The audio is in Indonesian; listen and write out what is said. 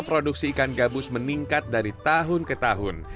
produksi ikan gabus meningkat dari tahun ke tahun